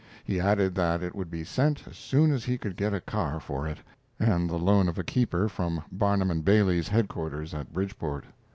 He added that it would be sent as soon as he could get a car for it, and the loan of a keeper from Barnum & Bailey's headquarters at Bridgeport.